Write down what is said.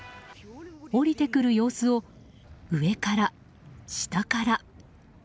降りてくる様子を上から、下から。